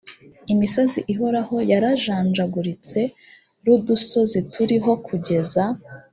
imisozi ihoraho yarajanjaguritse r udusozi turiho kugeza